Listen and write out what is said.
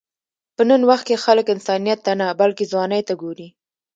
په نن وخت کې خلک انسانیت ته نه، بلکې ځوانۍ ته ګوري.